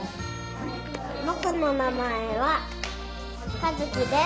ぼくのなまえはかずきです。